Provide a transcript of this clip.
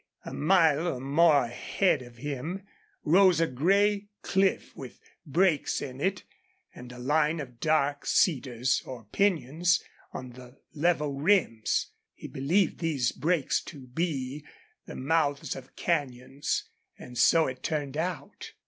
A mile or more ahead of him rose a gray cliff with breaks in it and a line of dark cedars or pinyons on the level rims. He believed these breaks to be the mouths of canyons, and so it turned out.